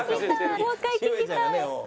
もう１回聴きたい！